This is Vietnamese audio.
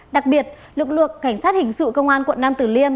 đặc biệt lực lượng cảnh sát hình sự công an quận nam tử liêm